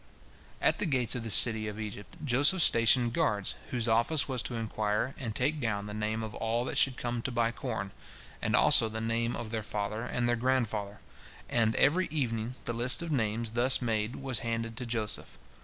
At the gates of the city of Egypt, Joseph stationed guards, whose office was to inquire and take down the name of all that should come to buy corn, and also the name of their father and their grandfather, and every evening the list of names thus made was handed to Joseph.